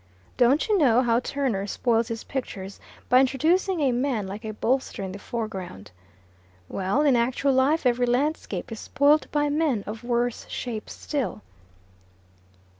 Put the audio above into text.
Don't you know how Turner spoils his pictures by introducing a man like a bolster in the foreground? Well, in actual life every landscape is spoilt by men of worse shapes still."